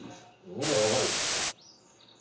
見りゃわかるよ。